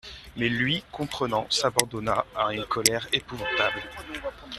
Mais lui, comprenant, s'abandonna à une colère épouvantable.